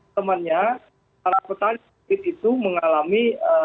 temannya para petani itu mengalami